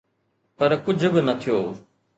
پر ڪجهه به نه ٿيو.